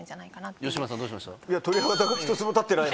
吉村さんどうしました？